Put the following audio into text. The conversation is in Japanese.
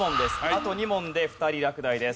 あと２問で２人落第です。